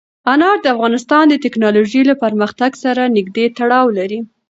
انار د افغانستان د تکنالوژۍ له پرمختګ سره نږدې تړاو لري.